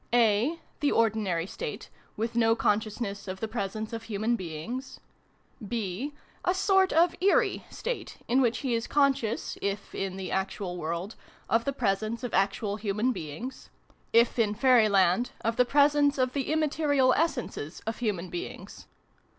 (a) the ordinary state, with no consciousness of the presence of Human beings ; (b} a sort of ' eerie ' state, in which he is conscious, if in the actual world, of the presence of actual Human beings ; if in Fairyland, of the presence of the im material essences of Human beings.